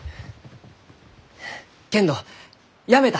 けんどやめた！